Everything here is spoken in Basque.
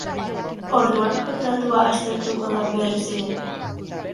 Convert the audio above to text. Orduan kontratua aztertuko da berriz ere?